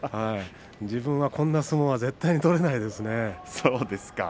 自分はこんな相撲は絶対取れませんね。